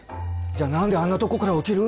じゃあ何であんなとこから落ちる。